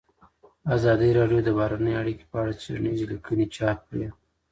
ازادي راډیو د بهرنۍ اړیکې په اړه څېړنیزې لیکنې چاپ کړي.